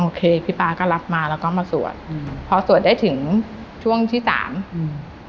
พี่ป๊าก็รับมาแล้วก็มาสวดอืมพอสวดได้ถึงช่วงที่สามอืม